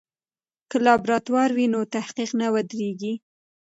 که لابراتوار وي نو تحقیق نه ودریږي.